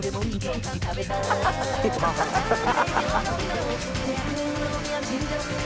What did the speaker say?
ハハハハハ！